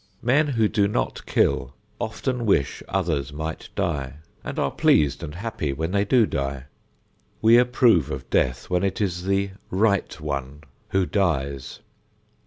Men who do not kill often wish others might die and are pleased and happy when they do die. We approve of death when it is the right one who dies.